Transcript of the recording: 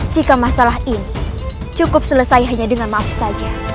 jika masalah ini cukup selesai hanya dengan maaf saja